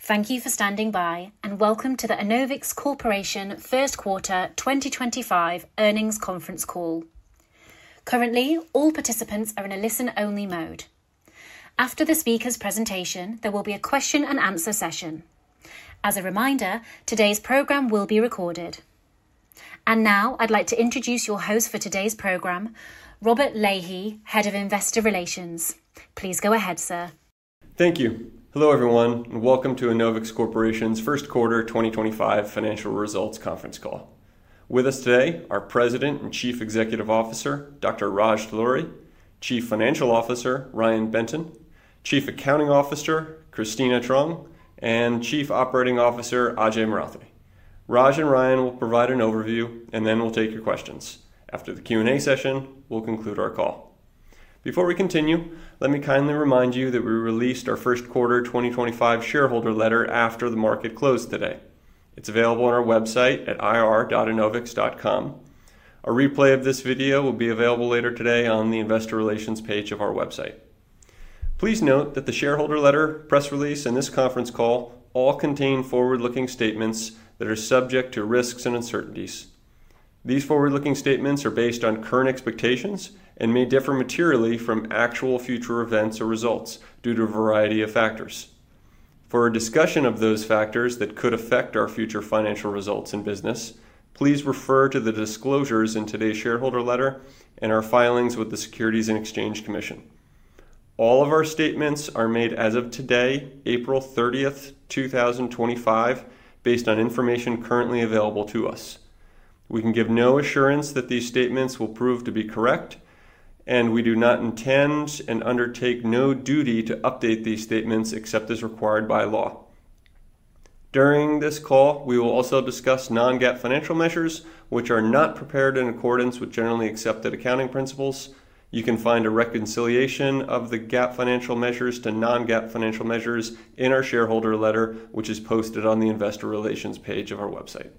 Thank you for standing by, and welcome to the Enovix Corporation First Quarter 2025 Earnings Conference Call. Currently, all participants are in a listen-only mode. After the speaker's presentation, there will be a question-and-answer session. As a reminder, today's program will be recorded. Now, I'd like to introduce your host for today's program, Robert Lahey, Head of Investor Relations. Please go ahead, sir. Thank you. Hello everyone, and welcome to Enovix Corporation's First Quarter 2025 financial results Conference Call. With us today are President and Chief Executive Officer Dr. Raj Talluri, Chief Financial Officer Ryan Benton, Chief Accounting Officer Kristina Truong, and Chief Operating Officer Ajay Marathe. Raj and Ryan will provide an overview, and then we'll take your questions. After the Q&A session, we'll conclude our call. Before we continue, let me kindly remind you that we released our First Quarter 2025 shareholder letter after the market closed today. It's available on our website at ir.enovix.com. A replay of this video will be available later today on the Investor Relations page of our website. Please note that the shareholder letter, press release, and this Conference Call all contain forward-looking statements that are subject to risks and uncertainties. These forward-looking statements are based on current expectations and may differ materially from actual future events or results due to a variety of factors. For a discussion of those factors that could affect our future financial results and business, please refer to the disclosures in today's shareholder letter and our filings with the Securities and Exchange Commission. All of our statements are made as of today, April 30, 2025, based on information currently available to us. We can give no assurance that these statements will prove to be correct, and we do not intend and undertake no duty to update these statements except as required by law. During this call, we will also discuss non-GAAP financial measures, which are not prepared in accordance with generally accepted accounting principles. You can find a reconciliation of the GAAP financial measures to non-GAAP financial measures in our shareholder letter, which is posted on the Investor Relations page of our website.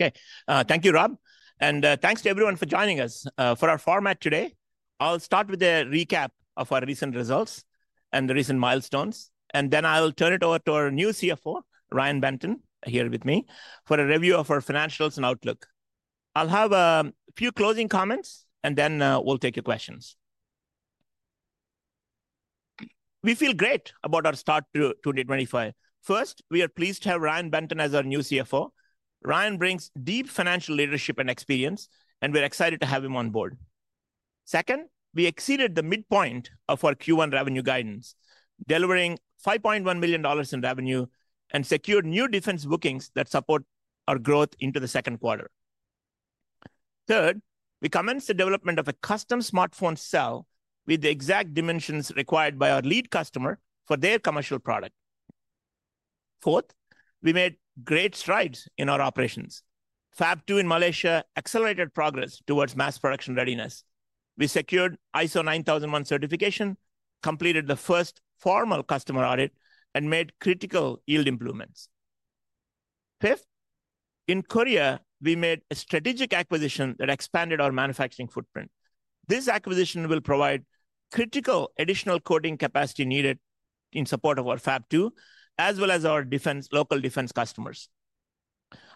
Okay, thank you, Rob. Thank you to everyone for joining us. For our format today, I'll start with a recap of our recent results and the recent milestones, then I'll turn it over to our new CFO, Ryan Benton, here with me for a review of our financials and outlook. I'll have a few closing comments, then we'll take your questions. We feel great about our start to 2025. First, we are pleased to have Ryan Benton as our new CFO. Ryan brings deep financial leadership and experience, and we're excited to have him on board. Second, we exceeded the midpoint of our Q1 revenue guidance, delivering $5.1 million in revenue and secured new defense bookings that support our growth into the second quarter. Third, we commenced the development of a custom smartphone cell with the exact dimensions required by our lead customer for their commercial product. Fourth, we made great strides in our operations. Fab 2 in Malaysia accelerated progress towards mass production readiness. We secured ISO 9001 certification, completed the first formal customer audit, and made critical yield improvements. Fifth, in Korea, we made a strategic acquisition that expanded our manufacturing footprint. This acquisition will provide critical additional coating capacity needed in support of our Fab 2, as well as our local defense customers.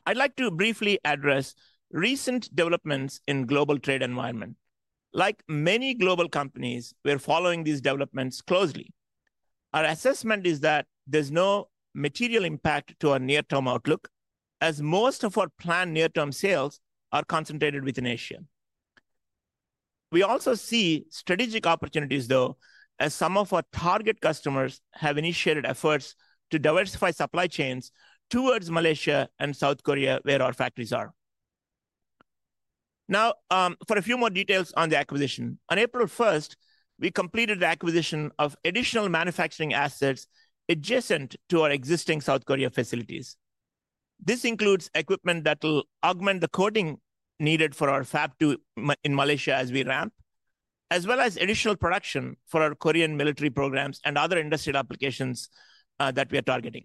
I'd like to briefly address recent developments in the global trade environment. Like many global companies, we're following these developments closely. Our assessment is that there's no material impact to our near-term outlook, as most of our planned near-term sales are concentrated within Asia. We also see strategic opportunities, though, as some of our target customers have initiated efforts to diversify supply chains towards Malaysia and South Korea, where our factories are. Now, for a few more details on the acquisition, on April 1, we completed the acquisition of additional manufacturing assets adjacent to our existing South Korea facilities. This includes equipment that will augment the coating needed for our Fab 2 in Malaysia as we ramp, as well as additional production for our Korean military programs and other industry applications that we are targeting.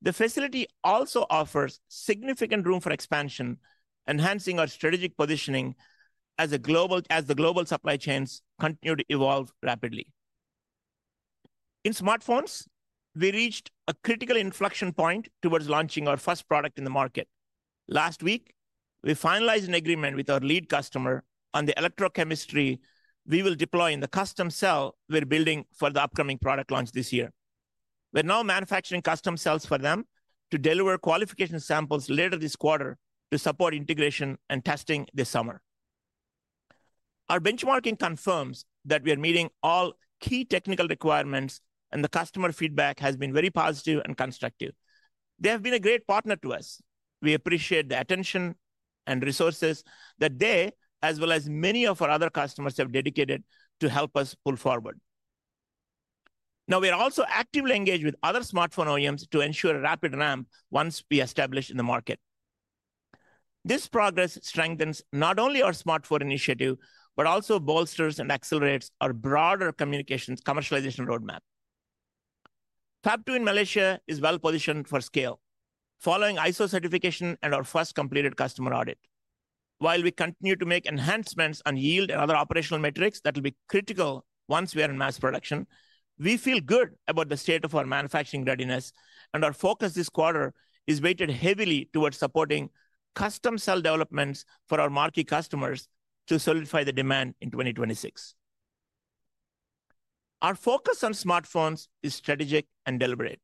The facility also offers significant room for expansion, enhancing our strategic positioning as the global supply chains continue to evolve rapidly. In smartphones, we reached a critical inflection point towards launching our first product in the market. Last week, we finalized an agreement with our lead customer on the electrochemistry we will deploy in the custom cell we are building for the upcoming product launch this year. We are now manufacturing custom cells for them to deliver qualification samples later this quarter to support integration and testing this summer. Our benchmarking confirms that we are meeting all key technical requirements, and the customer feedback has been very positive and constructive. They have been a great partner to us. We appreciate the attention and resources that they, as well as many of our other customers, have dedicated to help us pull forward. Now, we are also actively engaged with other smartphone OEMs to ensure a rapid ramp once we establish in the market. This progress strengthens not only our smartphone initiative, but also bolsters and accelerates our broader communications commercialization roadmap. Fab 2 in Malaysia is well positioned for scale, following ISO 9001 certification and our first completed customer audit. While we continue to make enhancements on yield and other operational metrics that will be critical once we are in mass production, we feel good about the state of our manufacturing readiness, and our focus this quarter is weighted heavily towards supporting custom cell developments for our marquee customers to solidify the demand in 2026. Our focus on smartphones is strategic and deliberate.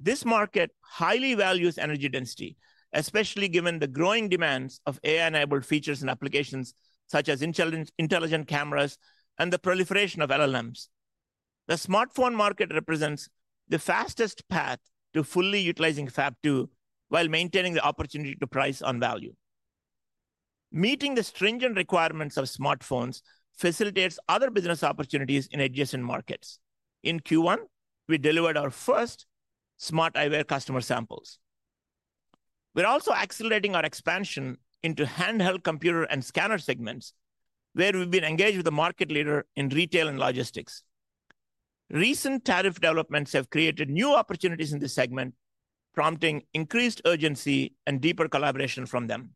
This market highly values energy density, especially given the growing demands of AI-enabled features and applications such as intelligent cameras and the proliferation of LLMs. The smartphone market represents the fastest path to fully utilizing Fab 2 while maintaining the opportunity to price on value. Meeting the stringent requirements of smartphones facilitates other business opportunities in adjacent markets. In Q1, we delivered our first smartwatch customer samples. We're also accelerating our expansion into handheld computer and scanner segments, where we've been engaged with a market leader in retail and logistics. Recent tariff developments have created new opportunities in this segment, prompting increased urgency and deeper collaboration from them.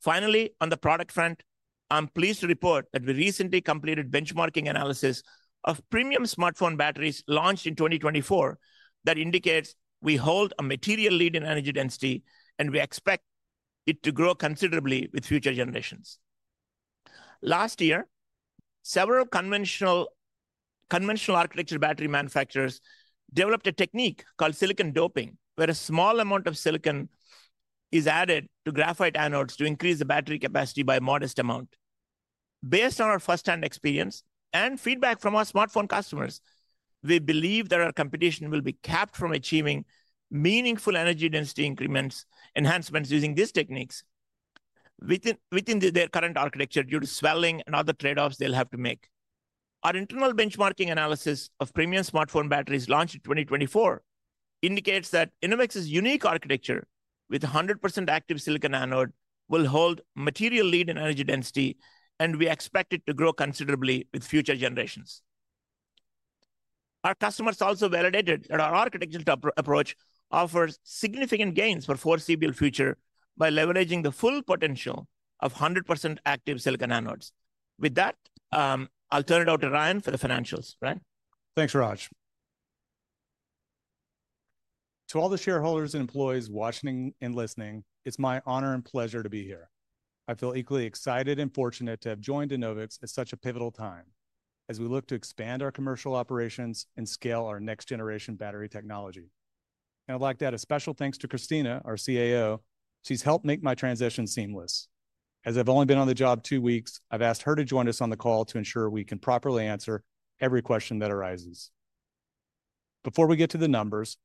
Finally, on the product front, I'm pleased to report that we recently completed benchmarking analysis of premium smartphone batteries launched in 2024 that indicates we hold a material lead in energy density, and we expect it to grow considerably with future generations. Last year, several conventional architecture battery manufacturers developed a technique called silicon doping, where a small amount of silicon is added to graphite anodes to increase the battery capacity by a modest amount. Based on our firsthand experience and feedback from our smartphone customers, we believe that our competition will be capped from achieving meaningful energy density increments or enhancements using these techniques within their current architecture due to swelling and other trade-offs they'll have to make. Our internal benchmarking analysis of premium smartphone batteries launched in 2024 indicates that Enovix's unique architecture with 100% active silicon anode will hold material lead in energy density, and we expect it to grow considerably with future generations. Our customers also validated that our architectural approach offers significant gains for foreseeable future by leveraging the full potential of 100% active silicon anodes. With that, I'll turn it over to Ryan for the financials, right? Thanks, Raj. To all the shareholders and employees watching and listening, it's my honor and pleasure to be here. I feel equally excited and fortunate to have joined Enovix at such a pivotal time as we look to expand our commercial operations and scale our next-generation battery technology. I would like to add a special thanks to Kristina, our CAO. She's helped make my transition seamless. As I've only been on the job two weeks, I've asked her to join us on the call to ensure we can properly answer every question that arises. Before we get to the numbers,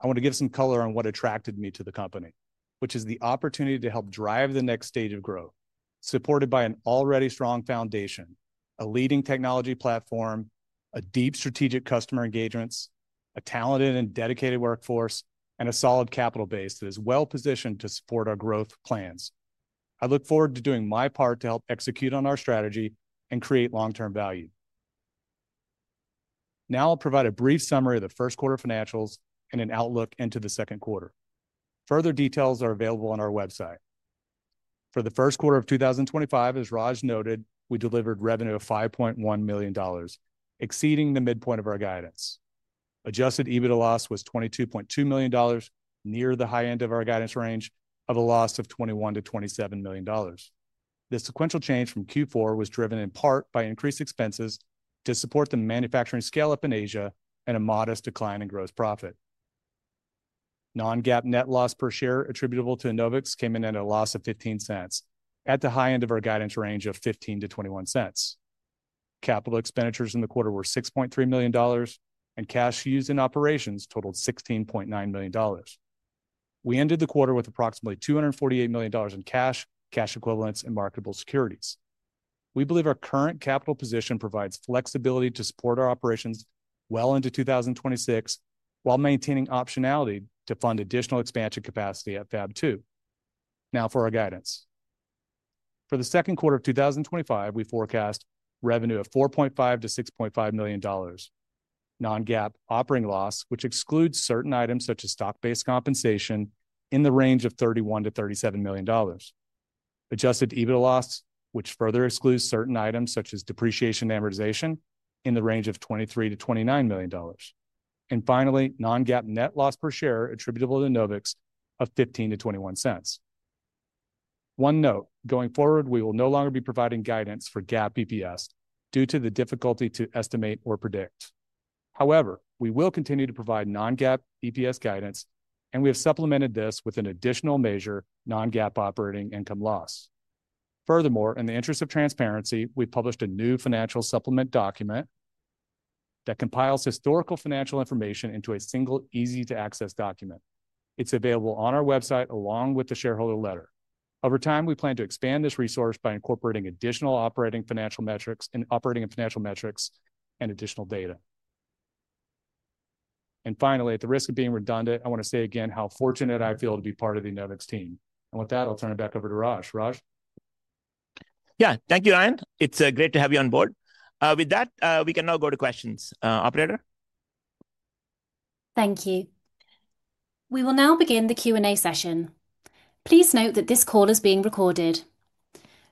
I want to give some color on what attracted me to the company, which is the opportunity to help drive the next stage of growth, supported by an already strong foundation, a leading technology platform, deep strategic customer engagements, a talented and dedicated workforce, and a solid capital base that is well positioned to support our growth plans. I look forward to doing my part to help execute on our strategy and create long-term value. Now I'll provide a brief summary of the first quarter financials and an outlook into the second quarter. Further details are available on our website. For the first quarter of 2025, as Raj noted, we delivered revenue of $5.1 million, exceeding the midpoint of our guidance. Adjusted EBITDA loss was $22.2 million, near the high end of our guidance range of a loss of $21-$27 million. The sequential change from Q4 was driven in part by increased expenses to support the manufacturing scale-up in Asia and a modest decline in gross profit. Non-GAAP net loss per share attributable to Enovix came in at a loss of $0.15, at the high end of our guidance range of $0.15-$0.21. Capital expenditures in the quarter were $6.3 million, and cash used in operations totaled $16.9 million. We ended the quarter with approximately $248 million in cash, cash equivalents, and marketable securities. We believe our current capital position provides flexibility to support our operations well into 2026 while maintaining optionality to fund additional expansion capacity at Fab 2. Now for our guidance. For the second quarter of 2025, we forecast revenue of $4.5-$6.5 million. Non-GAAP operating loss, which excludes certain items such as stock-based compensation, is in the range of $31-$37 million. Adjusted EBITDA loss, which further excludes certain items such as depreciation amortization, is in the range of $23-$29 million. Finally, non-GAAP net loss per share attributable to Enovix of $0.15-$0.21. One note, going forward, we will no longer be providing guidance for GAAP EPS due to the difficulty to estimate or predict. However, we will continue to provide non-GAAP EPS guidance, and we have supplemented this with an additional measure, non-GAAP operating income loss. Furthermore, in the interest of transparency, we have published a new financial supplement document that compiles historical financial information into a single, easy-to-access document. It is available on our website along with the shareholder letter. Over time, we plan to expand this resource by incorporating additional operating financial metrics and additional data. Finally, at the risk of being redundant, I want to say again how fortunate I feel to be part of the Enovix team. With that, I'll turn it back over to Raj. Raj? Yeah, thank you, Ryan. It's great to have you on board. With that, we can now go to questions, operator. Thank you. We will now begin the Q&A session. Please note that this call is being recorded.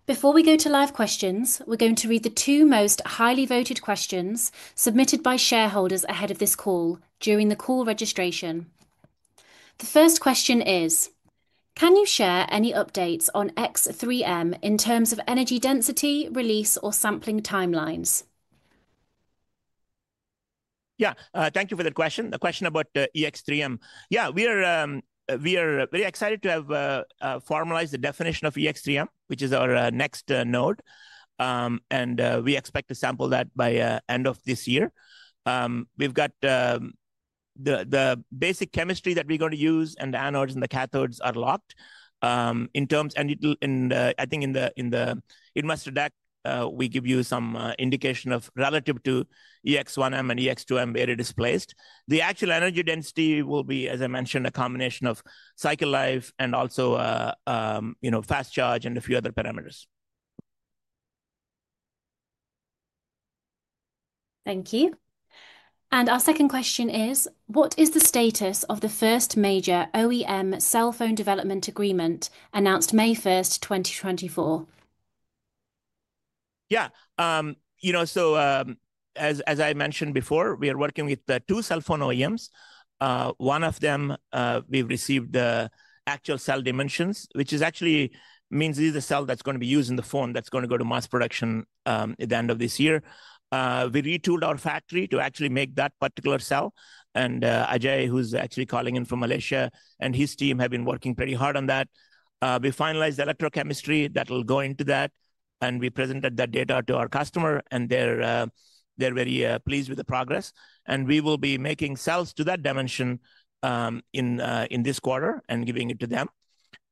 Before we go to live questions, we're going to read the two most highly voted questions submitted by shareholders ahead of this call during the call registration. The first question is, can you share any updates on EX-3M in terms of energy density, release, or sampling timelines? Yeah, thank you for that question. The question about EX-3M. Yeah, we are very excited to have formalized the definition of EX-3M, which is our next node, and we expect to sample that by the end of this year. We've got the basic chemistry that we're going to use, and the anodes and the cathodes are locked. In terms, and I think in the investor deck, we give you some indication of relative to EX-1M and EX-2M where it is placed. The actual energy density will be, as I mentioned, a combination of cycle life and also fast charge and a few other parameters. Thank you. Our second question is, what is the status of the first major OEM cell phone development agreement announced May 1, 2024? Yeah, you know, as I mentioned before, we are working with two cell phone OEMs. One of them, we've received the actual cell dimensions, which actually means this is the cell that's going to be used in the phone that's going to go to mass production at the end of this year. We retooled our factory to actually make that particular cell, and Ajay, who's actually calling in from Malaysia, and his team have been working pretty hard on that. We finalized the electrochemistry that will go into that, and we presented that data to our customer, and they're very pleased with the progress. We will be making cells to that dimension in this quarter and giving it to them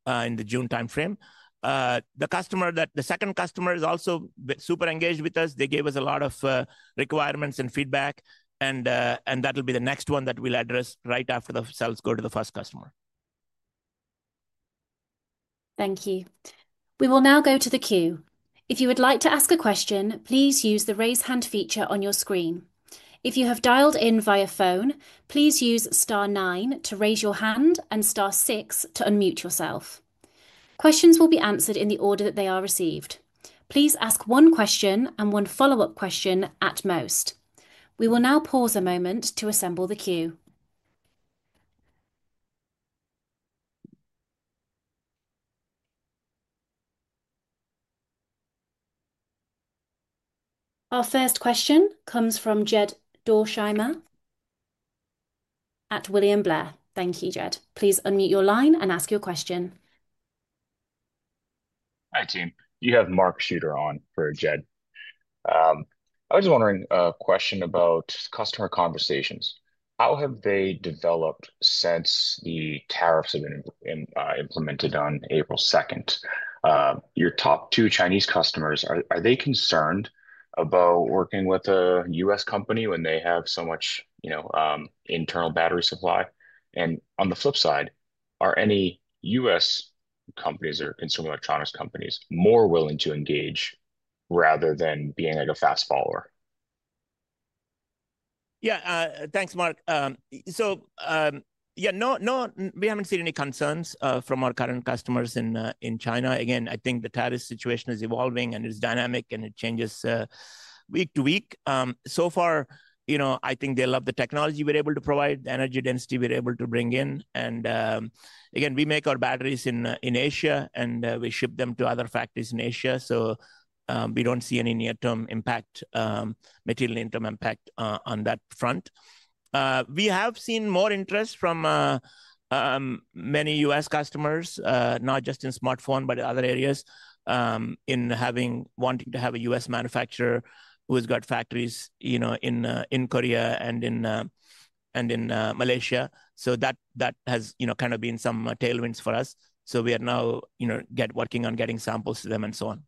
in the June time frame. The customer, the second customer is also super engaged with us. They gave us a lot of requirements and feedback, and that'll be the next one that we'll address right after the cells go to the first customer. Thank you. We will now go to the queue. If you would like to ask a question, please use the raise hand feature on your screen. If you have dialed in via phone, please use star nine to raise your hand and star six to unmute yourself. Questions will be answered in the order that they are received. Please ask one question and one follow-up question at most. We will now pause a moment to assemble the queue. Our first question comes from Jed Dorsheimer at William Blair. Thank you, Jed. Please unmute your line and ask your question. Hi, team. You have Mark Schmit on for Jed. I was wondering a question about customer conversations. How have they developed since the tariffs have been implemented on April 2nd? Your top two Chinese customers, are they concerned about working with a U.S. company when they have so much internal battery supply? On the flip side, are any U.S. companies or consumer electronics companies more willing to engage rather than being like a fast follower? Yeah, thanks, Mark. Yeah, no, we haven't seen any concerns from our current customers in China. Again, I think the tariff situation is evolving, and it's dynamic, and it changes week to week. So far, you know, I think they love the technology we're able to provide, the energy density we're able to bring in. Again, we make our batteries in Asia, and we ship them to other factories in Asia. We don't see any near-term impact, material interim impact on that front. We have seen more interest from many U.S. customers, not just in smartphone, but in other areas, in wanting to have a U.S. manufacturer who's got factories in Korea and in Malaysia. That has kind of been some tailwinds for us. We are now working on getting samples to them and so on.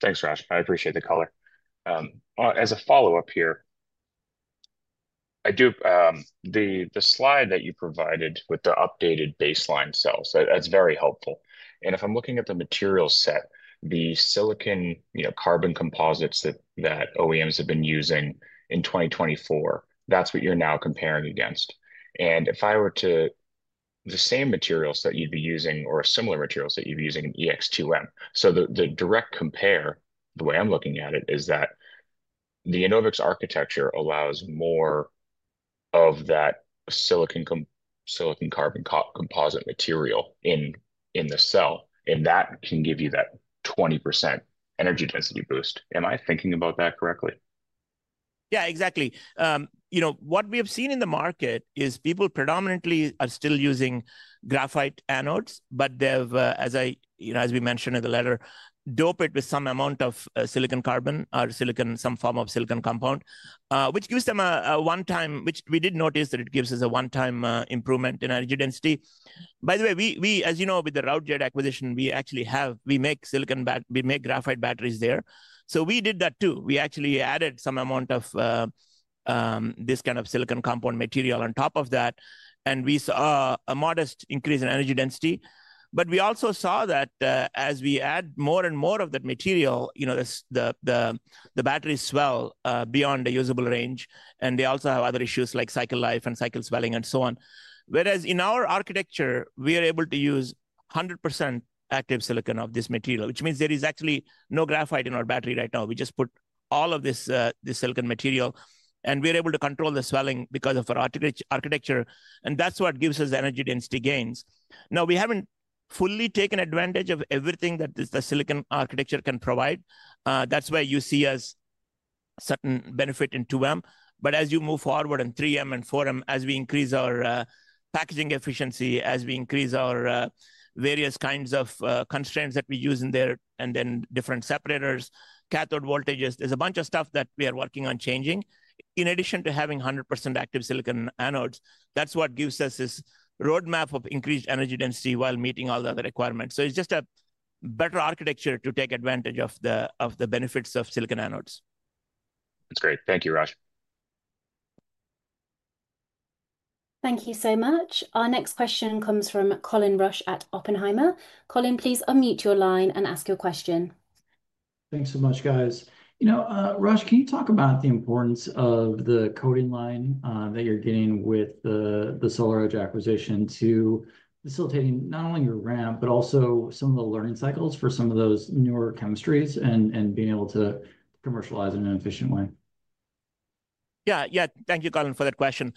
Thanks, Raj. I appreciate the color. As a follow-up here, I do the slide that you provided with the updated baseline cells. That's very helpful. If I'm looking at the material set, the silicon carbon composites that OEMs have been using in 2024, that's what you're now comparing against. If I were to the same materials that you'd be using or similar materials that you'd be using in EX-2M, the direct compare, the way I'm looking at it, is that the Enovix architecture allows more of that silicon carbon composite material in the cell, and that can give you that 20% energy density boost. Am I thinking about that correctly? Yeah, exactly. You know, what we have seen in the market is people predominantly are still using graphite anodes, but they've, as we mentioned in the letter, doped it with some amount of silicon carbon or silicon, some form of silicon compound, which gives them a one-time, which we did notice that it gives us a one-time improvement in energy density. By the way, as you know, with the Routejade acquisition, we actually have, we make silicon batteries, we make graphite batteries there. So we did that too. We actually added some amount of this kind of silicon compound material on top of that, and we saw a modest increase in energy density. We also saw that as we add more and more of that material, you know, the batteries swell beyond the usable range, and they also have other issues like cycle life and cycle swelling and so on. Whereas in our architecture, we are able to use 100% active silicon of this material, which means there is actually no graphite in our battery right now. We just put all of this silicon material, and we're able to control the swelling because of our architecture, and that's what gives us energy density gains. Now, we haven't fully taken advantage of everything that the silicon architecture can provide. That's why you see us certain benefit in 2M. As you move forward in 3M and 4M, as we increase our packaging efficiency, as we increase our various kinds of constraints that we use in there, and then different separators, cathode voltages, there's a bunch of stuff that we are working on changing. In addition to having 100% active silicon anodes, that's what gives us this roadmap of increased energy density while meeting all the other requirements. It is just a better architecture to take advantage of the benefits of silicon anodes. That's great. Thank you, Raj. Thank you so much. Our next question comes from Colin Rusch at Oppenheimer. Colin, please unmute your line and ask your question. Thanks so much, guys. You know, Raj, can you talk about the importance of the coating line that you're getting with the SolarEdge acquisition to facilitating not only your ramp, but also some of the learning cycles for some of those newer chemistries and being able to commercialize in an efficient way? Yeah, yeah, thank you, Colin, for that question.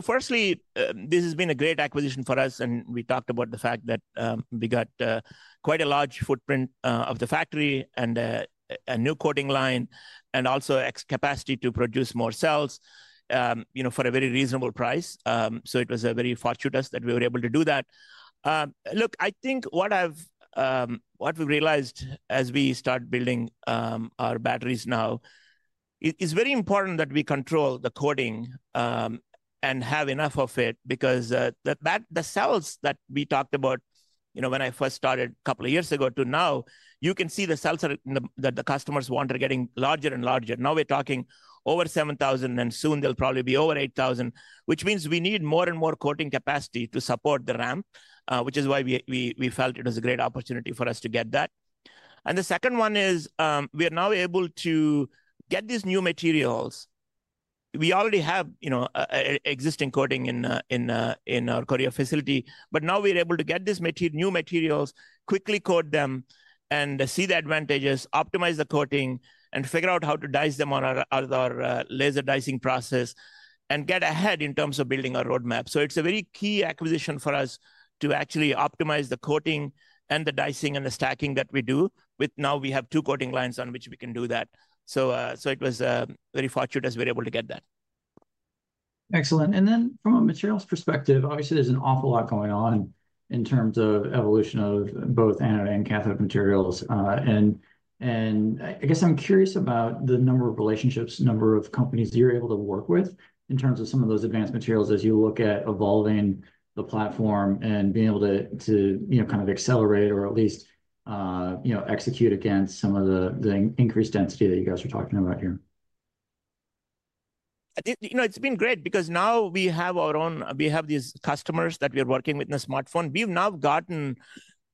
Firstly, this has been a great acquisition for us, and we talked about the fact that we got quite a large footprint of the factory and a new coating line and also capacity to produce more cells, you know, for a very reasonable price. It was very fortunate that we were able to do that. Look, I think what we've realized as we start building our batteries now is it is very important that we control the coating and have enough of it because the cells that we talked about, you know, when I first started a couple of years ago to now, you can see the cells that the customers want are getting larger and larger. Now we're talking over 7,000, and soon they'll probably be over 8,000, which means we need more and more coating capacity to support the RAM, which is why we felt it was a great opportunity for us to get that. The second one is we are now able to get these new materials. We already have existing coating in our Korea facility, but now we're able to get these new materials, quickly coat them, and see the advantages, optimize the coating, and figure out how to dice them on our laser dicing process and get ahead in terms of building our roadmap. It is a very key acquisition for us to actually optimize the coating and the dicing and the stacking that we do with now we have two coating lines on which we can do that. It was very fortunate as we were able to get that. Excellent. From a materials perspective, obviously there is an awful lot going on in terms of evolution of both anode and cathode materials. I guess I am curious about the number of relationships, number of companies you are able to work with in terms of some of those advanced materials as you look at evolving the platform and being able to kind of accelerate or at least execute against some of the increased density that you guys are talking about here. You know, it's been great because now we have our own, we have these customers that we are working with in the smartphone. We've now gotten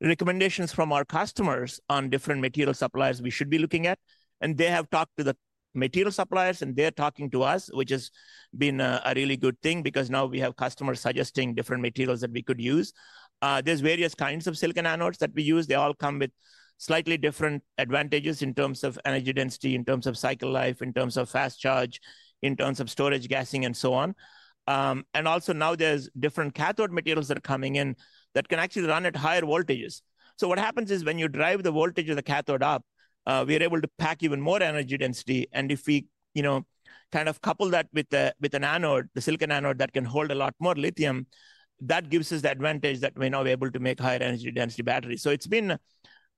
recommendations from our customers on different material suppliers we should be looking at. They have talked to the material suppliers, and they're talking to us, which has been a really good thing because now we have customers suggesting different materials that we could use. There's various kinds of silicon anodes that we use. They all come with slightly different advantages in terms of energy density, in terms of cycle life, in terms of fast charge, in terms of storage gassing, and so on. Also now there's different cathode materials that are coming in that can actually run at higher voltages. What happens is when you drive the voltage of the cathode up, we are able to pack even more energy density. If we kind of couple that with an anode, the silicon anode that can hold a lot more lithium, that gives us the advantage that we're now able to make higher energy density batteries. It's been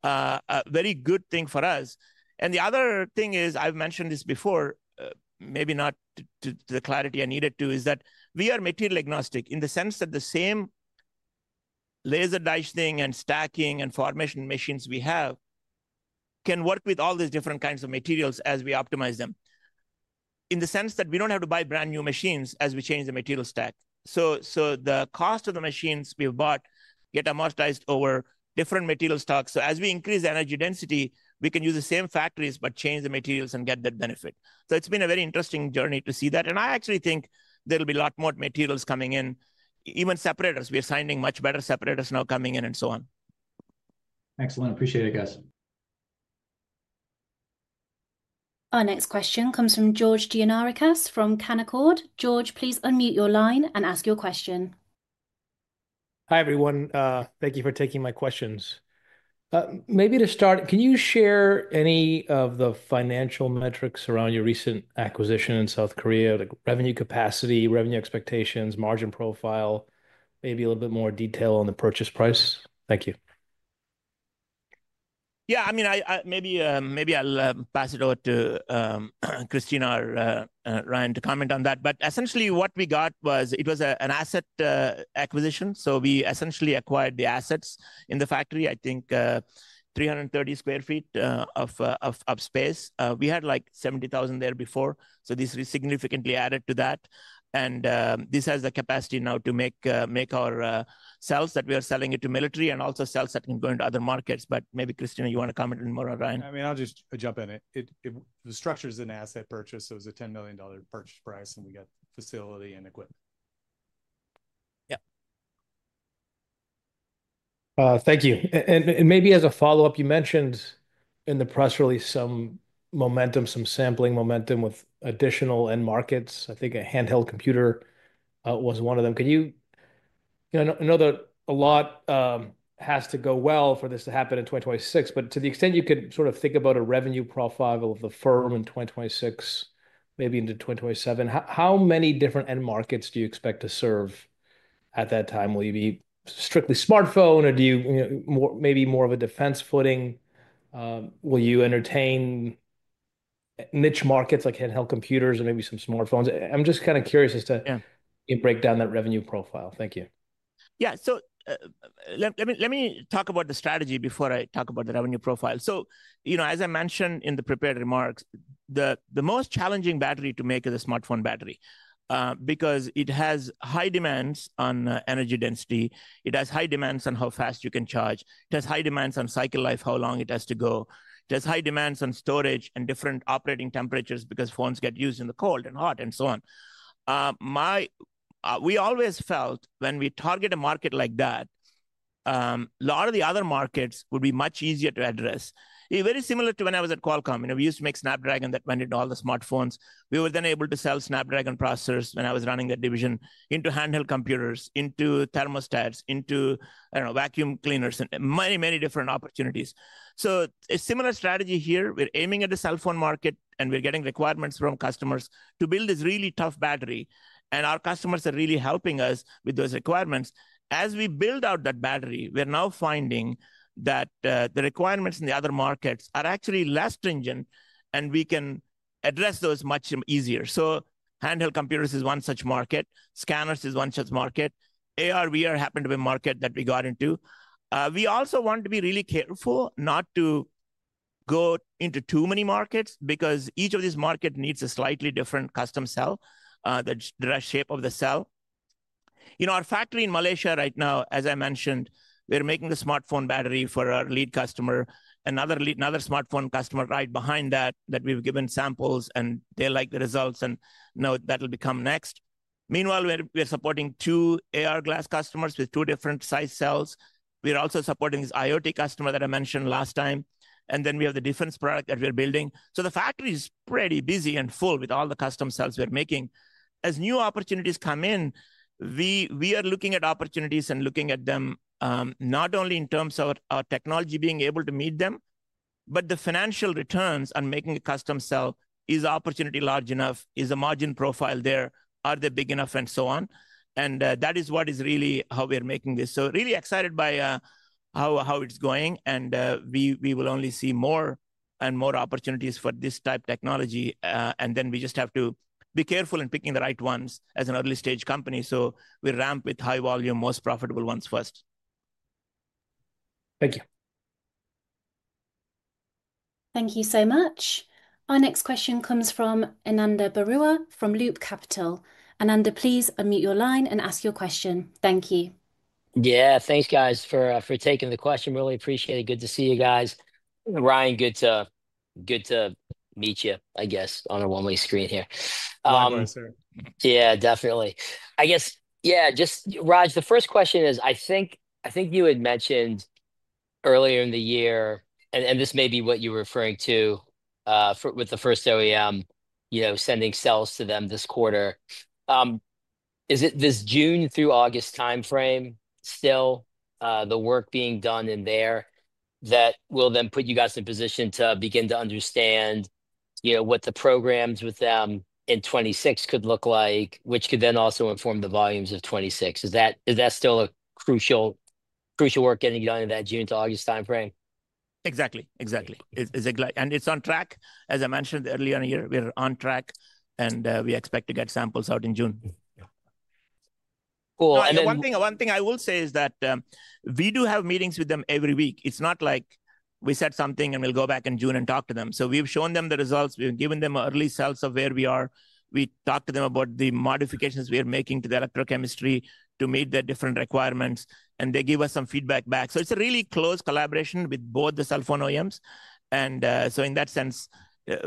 a very good thing for us. The other thing is, I've mentioned this before, maybe not to the clarity I needed to, is that we are material agnostic in the sense that the same laser dicing and stacking and formation machines we have can work with all these different kinds of materials as we optimize them. In the sense that we don't have to buy brand new machines as we change the material stack. The cost of the machines we've bought get amortized over different material stocks. As we increase energy density, we can use the same factories but change the materials and get that benefit. It has been a very interesting journey to see that. I actually think there will be a lot more materials coming in, even separators. We are signing much better separators now coming in and so on. Excellent. Appreciate it, guys. Our next question comes from George Gianarikas from Canaccord. George, please unmute your line and ask your question. Hi everyone. Thank you for taking my questions. Maybe to start, can you share any of the financial metrics around your recent acquisition in South Korea, like revenue capacity, revenue expectations, margin profile, maybe a little bit more detail on the purchase price? Thank you. Yeah, I mean, maybe I'll pass it over to Kristina or Ryan to comment on that. Essentially what we got was it was an asset acquisition. We essentially acquired the assets in the factory, I think 330,000 sq ft of space. We had like 70,000 there before. This significantly added to that. This has the capacity now to make our cells that we are selling into military and also cells that can go into other markets. Maybe Kristina, you want to comment more or Ryan? I mean, I'll just jump in. The structure is an asset purchase. So it was a $10 million purchase price, and we got facility and equipment. Yeah. Thank you. Maybe as a follow-up, you mentioned in the press release some momentum, some sampling momentum with additional end markets. I think a handheld computer was one of them. You know, I know that a lot has to go well for this to happen in 2026, but to the extent you could sort of think about a revenue profile of the firm in 2026, maybe into 2027, how many different end markets do you expect to serve at that time? Will you be strictly smartphone, or do you maybe more of a defense footing? Will you entertain niche markets like handheld computers and maybe some smartphones? I'm just kind of curious as to break down that revenue profile. Thank you. Yeah. Let me talk about the strategy before I talk about the revenue profile. You know, as I mentioned in the prepared remarks, the most challenging battery to make is a smartphone battery because it has high demands on energy density. It has high demands on how fast you can charge. It has high demands on cycle life, how long it has to go. It has high demands on storage and different operating temperatures because phones get used in the cold and hot and so on. We always felt when we target a market like that, a lot of the other markets would be much easier to address. Very similar to when I was at Qualcomm. You know, we used to make Snapdragon that went into all the smartphones. We were then able to sell Snapdragon processors when I was running that division into handheld computers, into thermostats, into vacuum cleaners, and many, many different opportunities. A similar strategy here. We're aiming at the cell phone market, and we're getting requirements from customers to build this really tough battery. Our customers are really helping us with those requirements. As we build out that battery, we're now finding that the requirements in the other markets are actually less stringent, and we can address those much easier. Handheld computers is one such market. Scanners is one such market. AR/VR happened to be a market that we got into. We also want to be really careful not to go into too many markets because each of these markets needs a slightly different custom cell, the shape of the cell. You know, our factory in Malaysia right now, as I mentioned, we're making a smartphone battery for our lead customer, another smartphone customer right behind that that we've given samples, and they like the results, and now that'll become next. Meanwhile, we're supporting two AR glass customers with two different size cells. We're also supporting this IoT customer that I mentioned last time. And then we have the defense product that we're building. The factory is pretty busy and full with all the custom cells we're making. As new opportunities come in, we are looking at opportunities and looking at them not only in terms of our technology being able to meet them, but the financial returns on making a custom cell is opportunity large enough, is the margin profile there, are they big enough, and so on. That is what is really how we're making this. Really excited by how it's going, and we will only see more and more opportunities for this type of technology. We just have to be careful in picking the right ones as an early stage company. We ramp with high volume, most profitable ones first. Thank you. Thank you so much. Our next question comes from Ananda Baruah from Loop Capital. Ananda, please unmute your line and ask your question. Thank you. Yeah, thanks, guys, for taking the question. Really appreciate it. Good to see you guys. Ryan, good to meet you, I guess, on a one-way screen here. Yeah, definitely. Yeah, definitely. I guess, yeah, just Raj, the first question is, I think you had mentioned earlier in the year, and this may be what you were referring to with the first OEM, you know, sending cells to them this quarter. Is it this June through August timeframe still the work being done in there that will then put you guys in position to begin to understand what the programs with them in 26 could look like, which could then also inform the volumes of 26? Is that still a crucial work getting done in that June to August timeframe? Exactly, exactly. And it's on track. As I mentioned earlier in the year, we're on track, and we expect to get samples out in June. And one thing I will say is that we do have meetings with them every week. It's not like we said something and we'll go back in June and talk to them. We've shown them the results. We've given them early cells of where we are. We talk to them about the modifications we are making to the electrochemistry to meet their different requirements, and they give us some feedback back. It's a really close collaboration with both the cell phone OEMs. In that sense,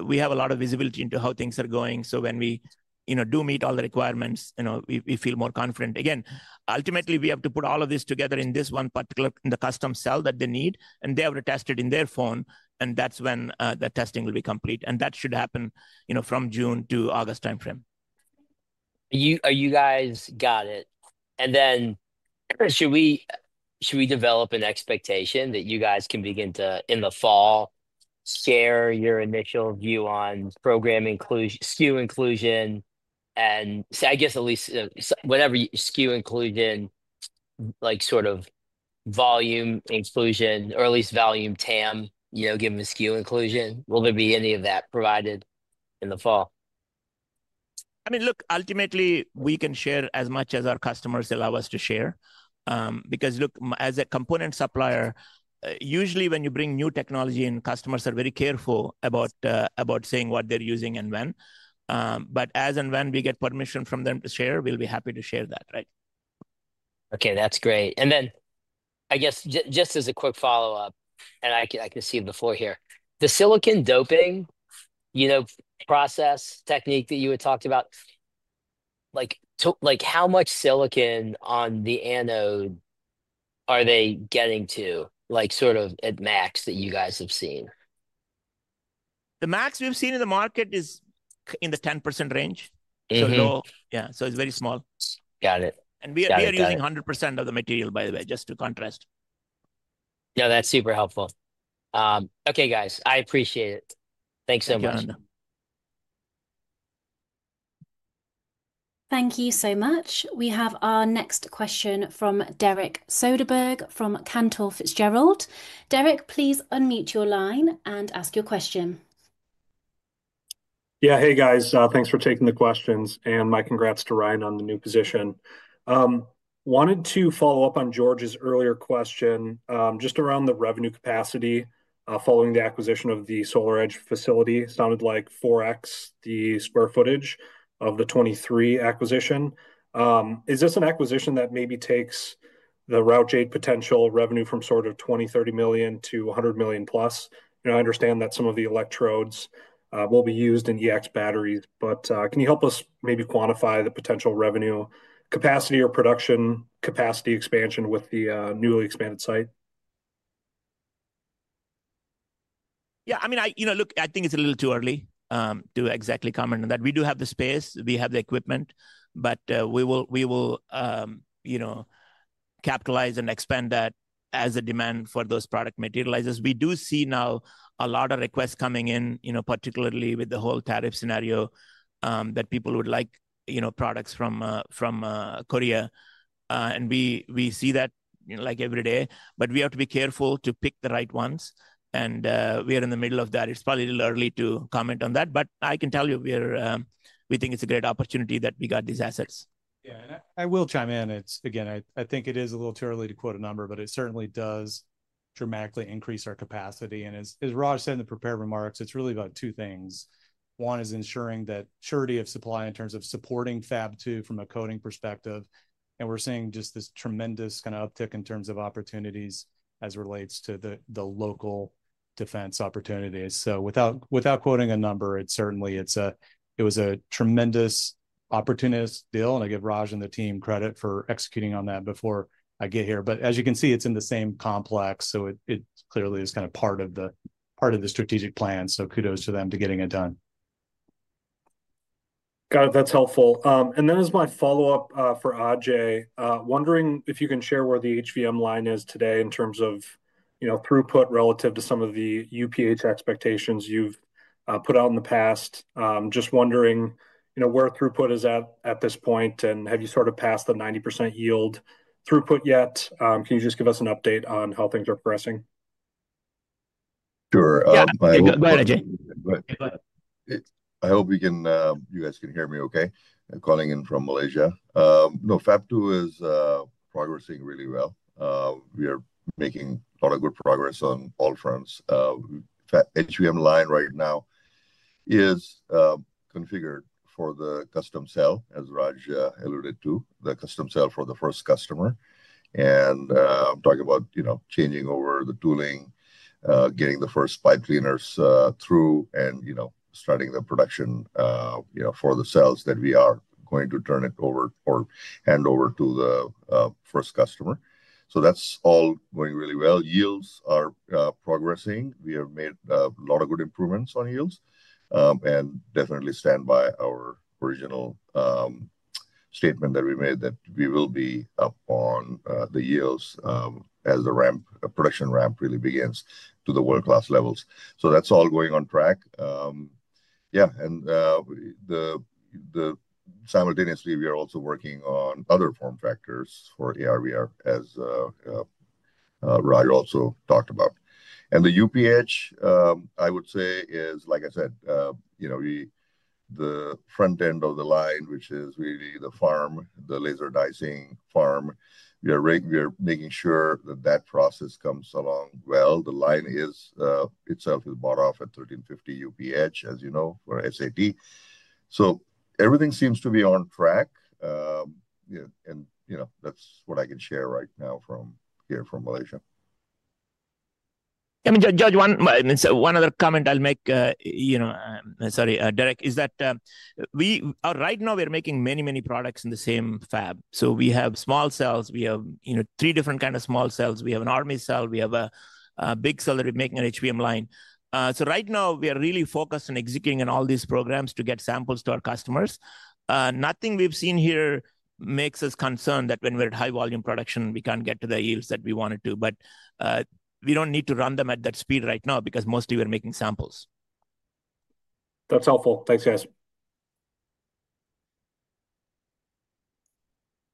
we have a lot of visibility into how things are going. When we do meet all the requirements, we feel more confident. Again, ultimately, we have to put all of this together in this one particular, in the custom cell that they need, and they have to test it in their phone, and that's when the testing will be complete. That should happen from June to August timeframe. Are you guys got it? Should we develop an expectation that you guys can begin to, in the fall, share your initial view on program SKU inclusion? I guess at least whatever SKU inclusion, like sort of volume inclusion, or at least volume TAM, given the SKU inclusion, will there be any of that provided in the fall? I mean, look, ultimately, we can share as much as our customers allow us to share. Because, look, as a component supplier, usually when you bring new technology in, customers are very careful about saying what they're using and when. As and when we get permission from them to share, we'll be happy to share that, right? Okay, that's great. I guess just as a quick follow-up, and I can see before here, the silicon doping process technique that you had talked about, like how much silicon on the anode are they getting to, like sort of at max that you guys have seen? The max we've seen in the market is in the 10% range. So low, yeah, so it's very small. And we are using 100% of the material, by the way, just to contrast. No, that's super helpful. Okay, guys, I appreciate it. Thanks so much. Thank you so much. We have our next question from Derek Soderberg from Cantor Fitzgerald. Derek, please unmute your line and ask your question. Yeah, hey, guys. Thanks for taking the questions. And my congrats to Ryan on the new position. Wanted to follow up on George's earlier question just around the revenue capacity following the acquisition of the SolarEdge facility. Sounded like 4X the square footage of the 2023 acquisition. Is this an acquisition that maybe takes the Routejade potential revenue from sort of $20 million, $30 million to $100 million plus? I understand that some of the electrodes will be used in EX batteries, but can you help us maybe quantify the potential revenue capacity or production capacity expansion with the newly expanded site? Yeah, I mean, you know, look, I think it's a little too early to exactly comment on that. We do have the space. We have the equipment, but we will capitalize and expand that as the demand for those product materializes. We do see now a lot of requests coming in, particularly with the whole tariff scenario that people would like products from Korea. We see that like every day, but we have to be careful to pick the right ones. We are in the middle of that. It's probably a little early to comment on that, but I can tell you we think it's a great opportunity that we got these assets. Yeah, and I will chime in. Again, I think it is a little too early to quote a number, but it certainly does dramatically increase our capacity. As Raj said in the prepared remarks, it is really about two things. One is ensuring that surety of supply in terms of supporting Fab II from a coating perspective. We are seeing just this tremendous kind of uptick in terms of opportunities as it relates to the local defense opportunities. Without quoting a number, it certainly was a tremendous opportunist deal. I give Raj and the team credit for executing on that before I got here. As you can see, it is in the same complex. It clearly is kind of part of the strategic plan. Kudos to them to getting it done. Got it. That's helpful. As my follow-up for Ajay, wondering if you can share where the HVM line is today in terms of throughput relative to some of the UPH expectations you've put out in the past. Just wondering where throughput is at this point, and have you sort of passed the 90% yield throughput yet? Can you just give us an update on how things are progressing? Sure. I hope you guys can hear me okay. Calling in from Malaysia. Fab 2 is progressing really well. We are making a lot of good progress on all fronts. HVM line right now is configured for the custom cell, as Raj alluded to, the custom cell for the first customer. I am talking about changing over the tooling, getting the first pipe cleaners through, and starting the production for the cells that we are going to turn it over or hand over to the first customer. That is all going really well. Yields are progressing. We have made a lot of good improvements on yields and definitely stand by our original statement that we made that we will be up on the yields as the production ramp really begins to the world-class levels. That is all going on track. Yeah. Simultaneously, we are also working on other form factors for AR/VR, as Raj also talked about. The UPH, I would say, is, like I said, the front end of the line, which is really the farm, the laser dicing farm. We are making sure that that process comes along well. The line itself is bought off at 1,350 UPH, as you know, for SAT. Everything seems to be on track. That is what I can share right now from here from Malaysia. I mean, one other comment I'll make, sorry, Derek, is that right now we're making many, many products in the same fab. We have small cells. We have three different kinds of small cells. We have an Army cell. We have a big cell that we're making on the HVM line. Right now, we are really focused on executing on all these programs to get samples to our customers. Nothing we've seen here makes us concerned that when we're at high volume production, we can't get to the yields that we wanted to. We don't need to run them at that speed right now because mostly we're making samples. That's helpful. Thanks, guys.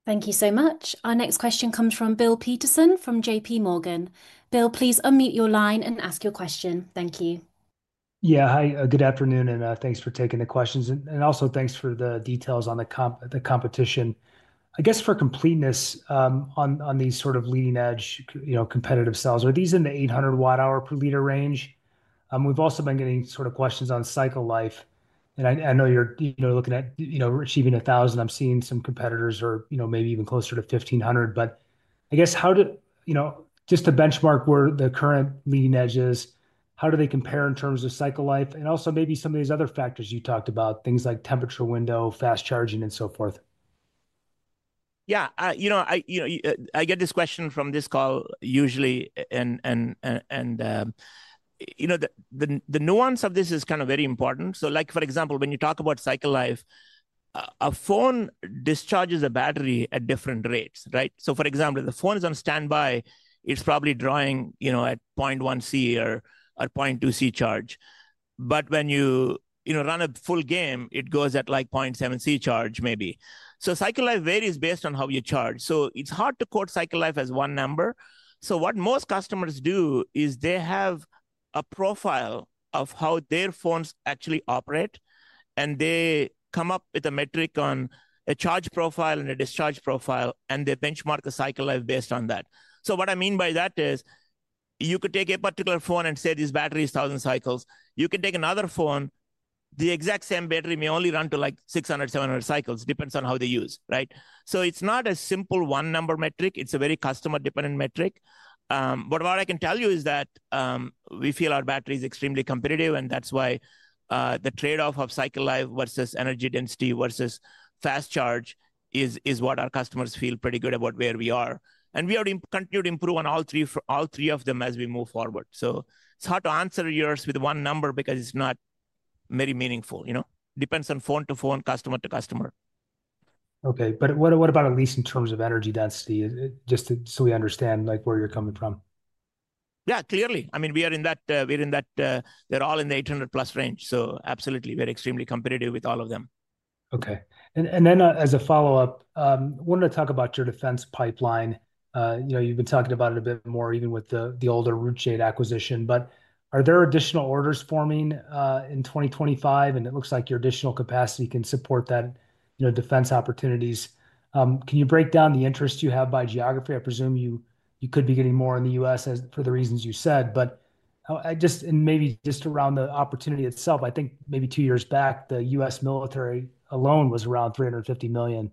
Thank you so much. Our next question comes from Bill Peterson from JPMorgan. Bill, please unmute your line and ask your question. Thank you. Yeah, hi. Good afternoon, and thanks for taking the questions. Also, thanks for the details on the competition. I guess for completeness on these sort of leading-edge competitive cells, are these in the 800 watt-hour per liter range? We've also been getting sort of questions on cycle life. I know you're looking at achieving 1,000. I'm seeing some competitors are maybe even closer to 1,500. I guess just to benchmark where the current leading edge is, how do they compare in terms of cycle life? Also maybe some of these other factors you talked about, things like temperature window, fast charging, and so forth. Yeah, you know, I get this question from this call usually. The nuance of this is kind of very important. Like, for example, when you talk about cycle life, a phone discharges a battery at different rates, right? For example, if the phone is on standby, it's probably drawing at 0.1 C or 0.2 C charge. When you run a full game, it goes at like 0.7 C charge maybe. Cycle life varies based on how you charge. It's hard to quote cycle life as one number. What most customers do is they have a profile of how their phones actually operate, and they come up with a metric on a charge profile and a discharge profile, and they benchmark the cycle life based on that. What I mean by that is you could take a particular phone and say this battery is 1,000 cycles. You can take another phone, the exact same battery may only run to like 600-700 cycles. It depends on how they use, right? It is not a simple one-number metric. It is a very customer-dependent metric. What I can tell you is that we feel our battery is extremely competitive, and that is why the trade-off of cycle life versus energy density versus fast charge is what our customers feel pretty good about where we are. We have continued to improve on all three of them as we move forward. It is hard to answer yours with one number because it is not very meaningful. It depends on phone to phone, customer to customer. Okay, what about at least in terms of energy density, just so we understand where you're coming from? Yeah, clearly. I mean, we are in that, we're all in the 800-plus range. So absolutely, we're extremely competitive with all of them. Okay. As a follow-up, I wanted to talk about your defense pipeline. You've been talking about it a bit more even with the older Routejade acquisition. Are there additional orders forming in 2025? It looks like your additional capacity can support that defense opportunities. Can you break down the interest you have by geography? I presume you could be getting more in the U.S. for the reasons you said. Just maybe around the opportunity itself, I think maybe two years back, the U.S. military alone was around $350 million.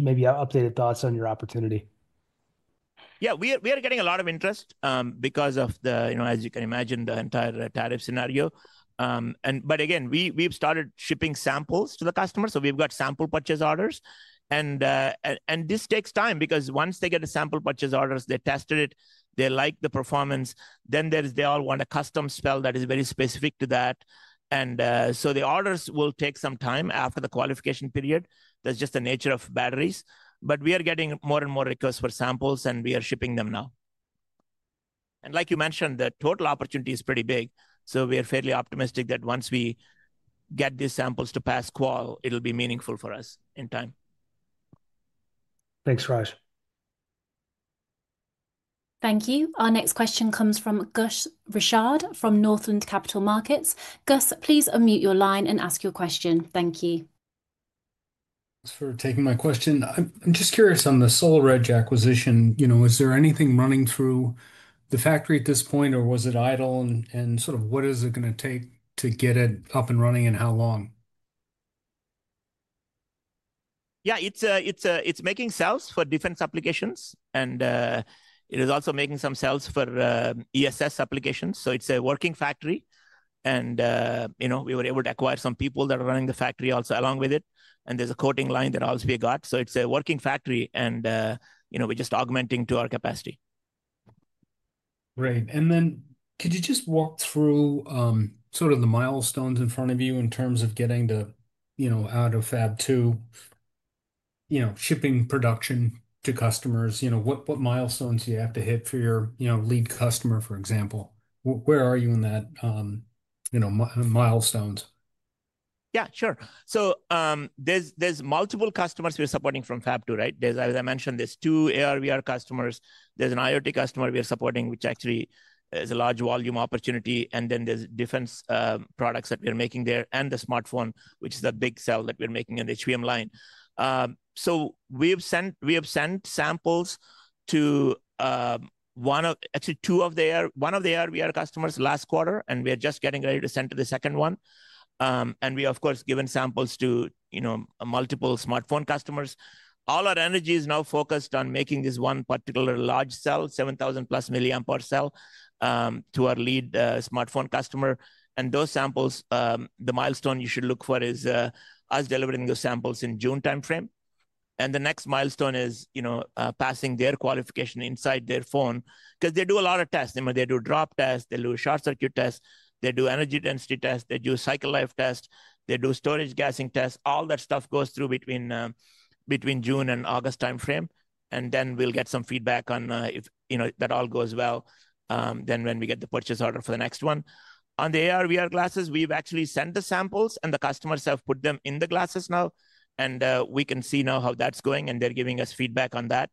Maybe updated thoughts on your opportunity. Yeah, we are getting a lot of interest because of the, as you can imagine, the entire tariff scenario. Again, we've started shipping samples to the customers. We've got sample purchase orders. This takes time because once they get a sample purchase order, they test it, they like the performance, then they all want a custom cell that is very specific to that. The orders will take some time after the qualification period. That is just the nature of batteries. We are getting more and more requests for samples, and we are shipping them now. Like you mentioned, the total opportunity is pretty big. We are fairly optimistic that once we get these samples to pass call, it will be meaningful for us in time. Thanks, Raj. Thank you. Our next question comes from Gus Richard from Northland Capital Markets. Gus, please unmute your line and ask your question. Thank you. Thanks for taking my question. I'm just curious on the SolarEdge acquisition. Is there anything running through the factory at this point, or was it idle? What is it going to take to get it up and running and how long? Yeah, it's making cells for defense applications, and it is also making some cells for ESS applications. It is a working factory. We were able to acquire some people that are running the factory also along with it. There is a coating line that also we got. It is a working factory, and we're just augmenting to our capacity. Great. Could you just walk through sort of the milestones in front of you in terms of getting out of Fab 2, shipping production to customers? What milestones do you have to hit for your lead customer, for example? Where are you in that milestones? Yeah, sure. There are multiple customers we're supporting from Fab 2, right? As I mentioned, there are two AR/VR customers. There is an IoT customer we're supporting, which actually is a large volume opportunity. There are defense products that we're making there and the smartphone, which is a big cell that we're making in the HVM line. We have sent samples to one of, actually two of the AR/VR customers last quarter, and we are just getting ready to send to the second one. We have, of course, given samples to multiple smartphone customers. All our energy is now focused on making this one particular large cell, 7,000-plus milliamp hour cell to our lead smartphone customer. Those samples, the milestone you should look for is us delivering those samples in June timeframe. The next milestone is passing their qualification inside their phone because they do a lot of tests. They do drop tests. They do short circuit tests. They do energy density tests. They do cycle life tests. They do storage gassing tests. All that stuff goes through between June and August timeframe. We will get some feedback on if that all goes well then when we get the purchase order for the next one. On the AR/VR glasses, we've actually sent the samples, and the customers have put them in the glasses now. We can see now how that's going, and they're giving us feedback on that.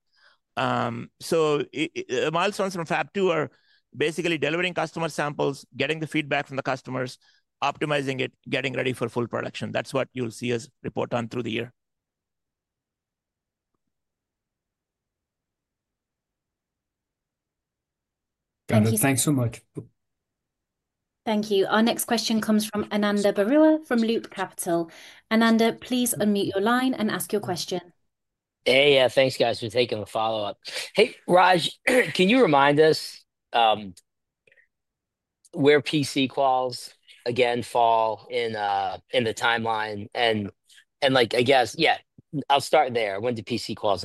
Milestones from Fab 2 are basically delivering customer samples, getting the feedback from the customers, optimizing it, getting ready for full production. That is what you'll see us report on through the year. Got it. Thanks so much. Thank you. Our next question comes from Ananda Baruah from Loop Capital. Ananda, please unmute your line and ask your question. Hey, yeah, thanks, guys, for taking the follow-up. Hey, Raj, can you remind us where PC quals again fall in the timeline? I guess, yeah, I'll start there. When do PC quals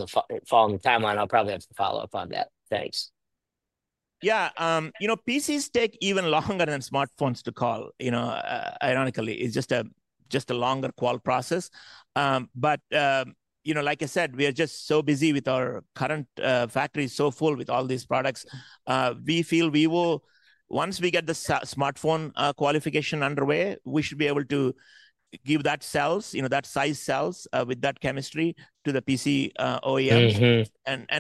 fall in the timeline? I'll probably have to follow up on that. Thanks. Yeah, you know PCs take even longer than smartphones to call. Ironically, it's just a longer qual process. Like I said, we are just so busy with our current factory so full with all these products. We feel once we get the smartphone qualification underway, we should be able to give that size, that size cells with that chemistry to the PC OEMs.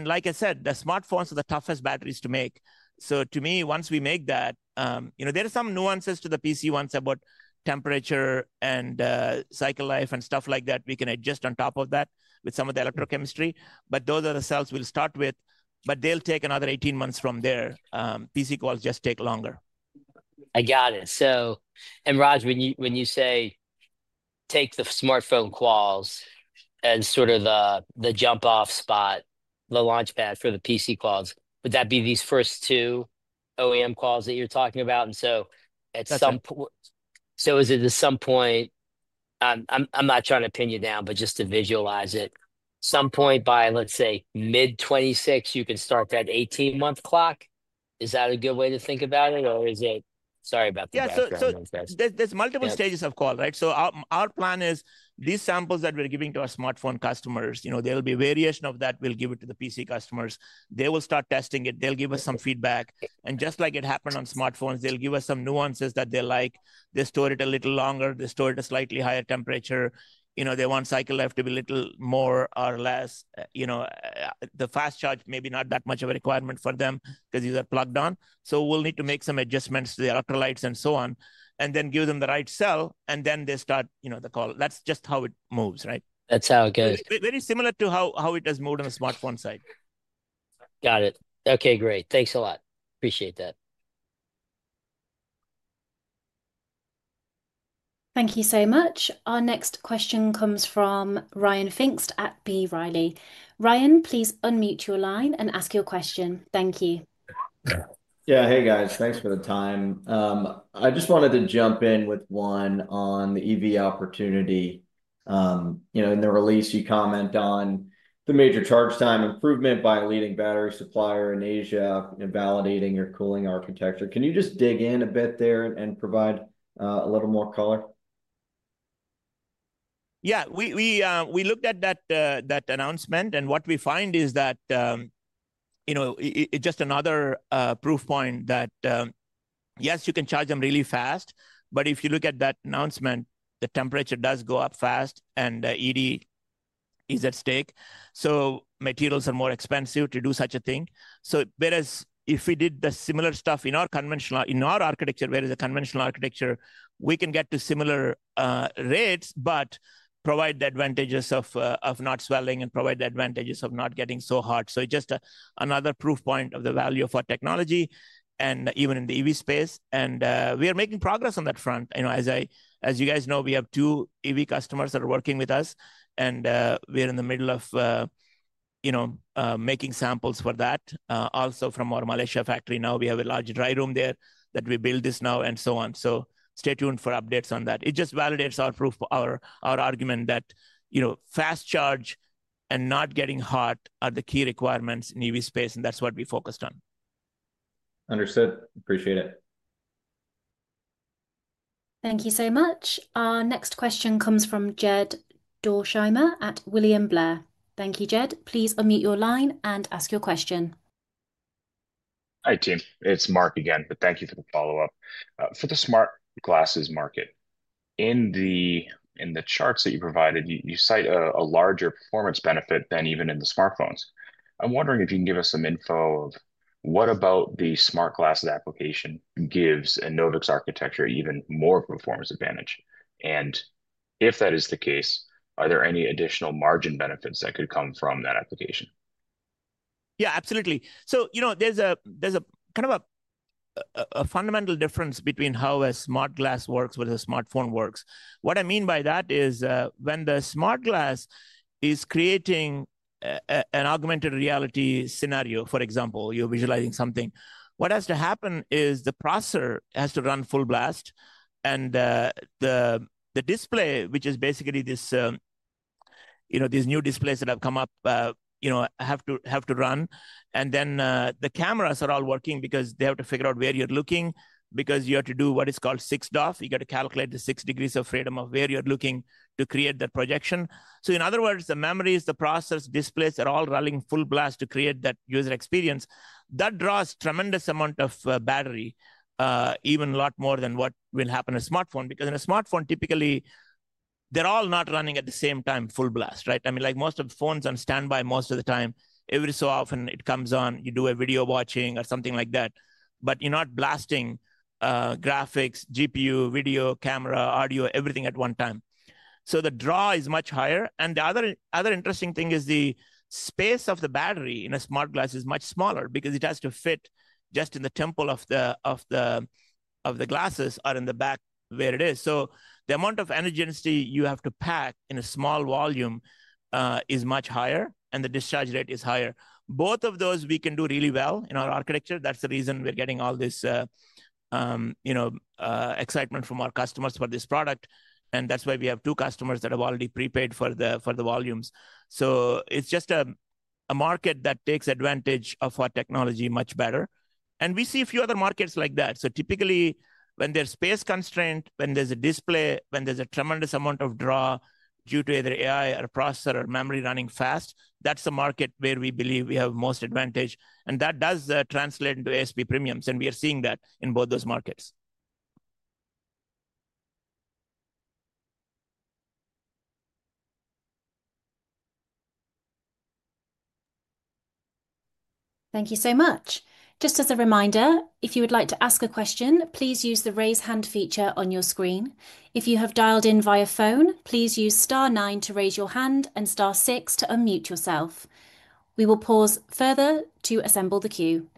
Like I said, the smartphones are the toughest batteries to make. To me, once we make that, there are some nuances to the PC ones about temperature and cycle life and stuff like that. We can adjust on top of that with some of the electrochemistry. Those are the cells we'll start with, but they'll take another 18 months from there. PC quals just take longer. I got it. Raj, when you say take the smartphone quals as sort of the jump-off spot, the launchpad for the PC quals, would that be these first two OEM quals that you're talking about? Is it at some point, I'm not trying to pin you down, but just to visualize it, some point by, let's say, mid-26, you can start that 18-month clock? Is that a good way to think about it? Sorry about the background noise, guys. There are multiple stages of call, right? Our plan is these samples that we're giving to our smartphone customers, there will be variation of that. We'll give it to the PC customers. They will start testing it. They'll give us some feedback. And just like it happened on smartphones, they'll give us some nuances that they like. They store it a little longer. They store it at a slightly higher temperature. They want cycle life to be a little more or less. The fast charge may be not that much of a requirement for them because these are plugged in. We will need to make some adjustments to the electrolytes and so on, and then give them the right cell, and then they start the call. That's just how it moves, right? That's how it goes. Very similar to how it has moved on the smartphone side. Got it. Okay, great. Thanks a lot. Appreciate that. Thank you so much. Our next question comes from Ryan Pfingst at B. Riley. Ryan, please unmute your line and ask your question. Thank you. Yeah, hey, guys. Thanks for the time. I just wanted to jump in with one on the EV opportunity. In the release, you comment on the major charge time improvement by a leading battery supplier in Asia and validating your cooling architecture. Can you just dig in a bit there and provide a little more color? Yeah, we looked at that announcement, and what we find is that it's just another proof point that, yes, you can charge them really fast. If you look at that announcement, the temperature does go up fast, and energy density is at stake. Materials are more expensive to do such a thing. Whereas if we did the similar stuff in our architecture, whereas the conventional architecture, we can get to similar rates, but provide the advantages of not swelling and provide the advantages of not getting so hot. It is just another proof point of the value of our technology and even in the EV space. We are making progress on that front. As you guys know, we have two EV customers that are working with us, and we're in the middle of making samples for that. Also from our Malaysia factory now, we have a large dry room there that we built this now and so on. Stay tuned for updates on that. It just validates our argument that fast charge and not getting hot are the key requirements in EV space, and that's what we focused on. Understood. Appreciate it. Thank you so much. Our next question comes from Jed Dorsheimer at William Blair. Thank you, Jed. Please unmute your line and ask your question. Hi, team. It's Mark again, but thank you for the follow-up. For the smart glasses market, in the charts that you provided, you cite a larger performance benefit than even in the smartphones. I'm wondering if you can give us some info of what about the smart glasses application gives Enovix architecture even more performance advantage. And if that is the case, are there any additional margin benefits that could come from that application? Yeah, absolutely. There is a kind of a fundamental difference between how a smart glass works versus a smartphone works. What I mean by that is when the smart glass is creating an augmented reality scenario, for example, you are visualizing something, what has to happen is the processor has to run full blast. The display, which is basically these new displays that have come up, has to run. The cameras are all working because they have to figure out where you are looking because you have to do what is called 6DoF. You have to calculate the six degrees of freedom of where you are looking to create that projection. In other words, the memories, the process, displays are all running full blast to create that user experience. That draws a tremendous amount of battery, even a lot more than what will happen in a smartphone because in a smartphone, typically, they're all not running at the same time full blast, right? I mean, like most of the phones on standby most of the time, every so often it comes on, you do a video watching or something like that, but you're not blasting graphics, GPU, video, camera, audio, everything at one time. The draw is much higher. The other interesting thing is the space of the battery in a smart glass is much smaller because it has to fit just in the temple of the glasses or in the back where it is. The amount of energy density you have to pack in a small volume is much higher, and the discharge rate is higher. Both of those we can do really well in our architecture. That's the reason we're getting all this excitement from our customers for this product. That's why we have two customers that have already prepaid for the volumes. It's just a market that takes advantage of our technology much better. We see a few other markets like that. Typically, when there's space constraint, when there's a display, when there's a tremendous amount of draw due to either AI or a processor or memory running fast, that's a market where we believe we have most advantage. That does translate into ASP premiums, and we are seeing that in both those markets. Thank you so much. Just as a reminder, if you would like to ask a question, please use the raise hand feature on your screen. If you have dialed in via phone, please use star nine to raise your hand and star six to unmute yourself. We will pause further to assemble the queue.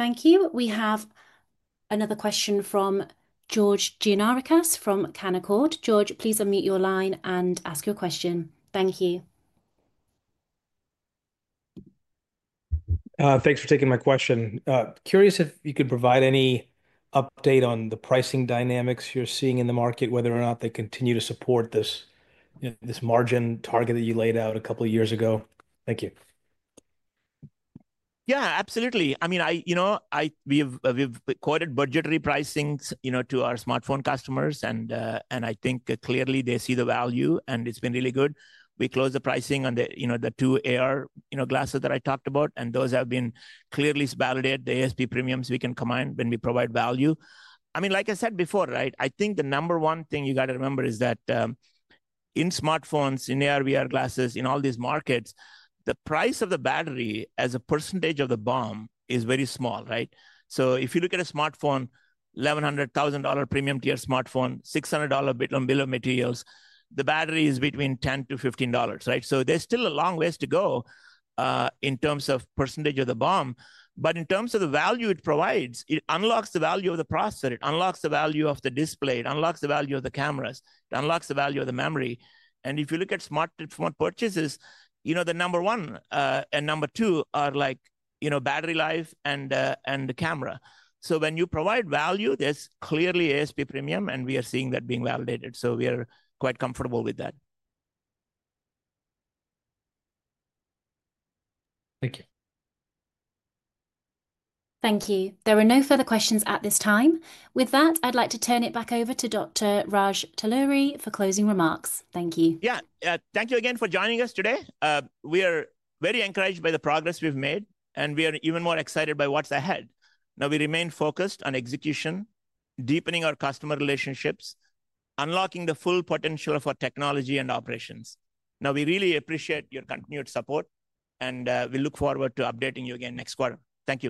Thank you. We have another question from George Gianarikas from Canaccord. George, please unmute your line and ask your question. Thank you. Thanks for taking my question. Curious if you could provide any update on the pricing dynamics you're seeing in the market, whether or not they continue to support this margin target that you laid out a couple of years ago. Thank you. Yeah, absolutely. I mean, we've quoted budgetary pricing to our smartphone customers, and I think clearly they see the value, and it's been really good. We closed the pricing on the two AR glasses that I talked about, and those have been clearly validated. The ASP premiums we can command when we provide value. I mean, like I said before, right, I think the number one thing you got to remember is that in smartphones, in AR/VR glasses, in all these markets, the price of the battery as a percentage of the BOM is very small, right? If you look at a smartphone, $1,100 premium tier smartphone, $600 bit on bill of materials, the battery is between $10-$15, right? There's still a long ways to go in terms of percentage of the BOM. In terms of the value it provides, it unlocks the value of the processor. It unlocks the value of the display. It unlocks the value of the cameras. It unlocks the value of the memory. If you look at smartphone purchases, you know the number one and number two are like battery life and the camera. When you provide value, there's clearly ASP premium, and we are seeing that being validated. We are quite comfortable with that. Thank you. Thank you. There are no further questions at this time. With that, I'd like to turn it back over to Dr. Raj Talluri for closing remarks. Thank you. Yeah, thank you again for joining us today. We are very encouraged by the progress we've made, and we are even more excited by what's ahead. Now, we remain focused on execution, deepening our customer relationships, unlocking the full potential of our technology and operations. Now, we really appreciate your continued support, and we look forward to updating you again next quarter. Thank you.